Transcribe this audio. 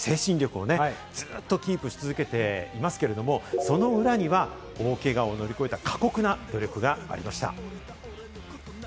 その松田選手ですが、集中力、精神力をずっとキープし続けていますけれども、その裏には大けがを乗り越えた過酷な努力がありました。